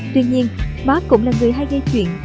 tuy nhiên mark cũng là người hay gây chuyện